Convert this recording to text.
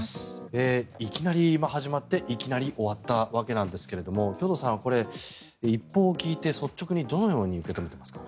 いきなり始まっていきなり終わったわけなんですが兵頭さん、これ、一報を聞いて率直にどのように受け止めていますか。